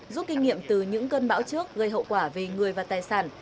rút kinh nghiệm từ những cơn bão trước gây hậu quả về người và tài sản